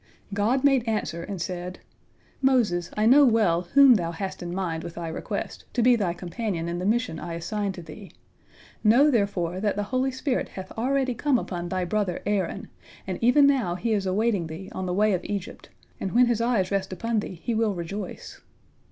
God made answer, and said, "Moses, I know well whom thou hast in mind with thy request, to be thy companion in the mission I assign to thee. Know, therefore, that the holy spirit hath already come upon thy brother Aaron, and even now he is awaiting thee on the way of Egypt, and when his eyes rest upon thee he will rejoice."